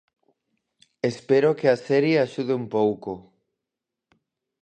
Espero que a serie axude un pouco.